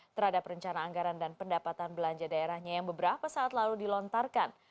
terhadap rencana anggaran dan pendapatan belanja daerahnya yang beberapa saat lalu dilontarkan